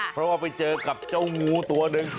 เพราะว่าไปเจอกับเจ้างูตัวหนึ่ง